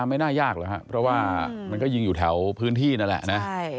ไม่น่ายากหรอกครับเพราะว่ามันก็ยิงอยู่แถวพื้นที่นั่นแหละนะ